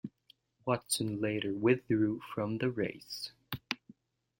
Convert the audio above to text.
Watson later withdrew from the race.